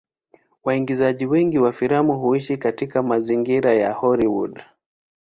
Waigizaji wengi wa filamu huishi katika mazingira ya Hollywood.